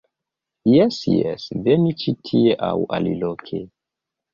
Jes, jes, veni tie-ĉi aŭ aliloke.